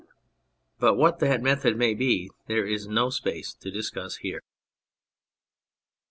But what that method may be there is no space to discuss here.